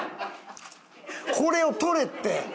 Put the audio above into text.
これを取れって！